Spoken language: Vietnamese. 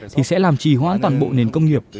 thì sẽ làm trì hoãn toàn bộ nền công nghiệp